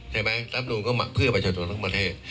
ใช่ไหมประตานประดูกก็เพื่อประชาชนทั้งประเทศ